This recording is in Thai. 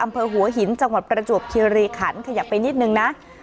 อำเภอหัวหินจังหวัดประจวบคิริขันขยับไปนิดนึงนะ